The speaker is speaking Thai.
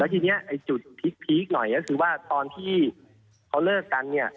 ทีนี้ไอ้จุดพีคหน่อยก็คือว่าตอนที่เขาเลิกกันเนี่ย